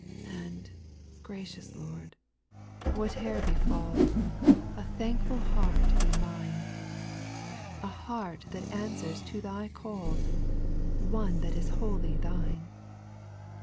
4. ( And, gracious T^ord, whatever befal, A thankful heart be mine, — A heart that answers to Thy call. One that is wholly Thine.